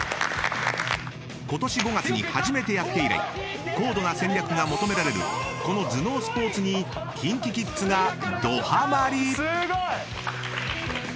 ［ことし５月に初めてやって以来高度な戦略が求められるこの頭脳スポーツにＫｉｎＫｉＫｉｄｓがどハマり！］